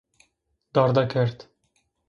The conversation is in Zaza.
Darde kerd